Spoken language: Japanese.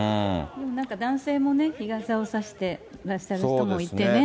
男性もね、日傘を差してらっしゃる人もいてね。